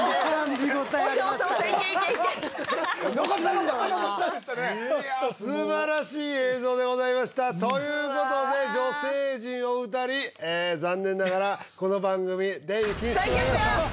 見応えありましたねいや素晴らしい映像でございましたということで女性陣お二人残念ながらこの番組出入り禁止となりました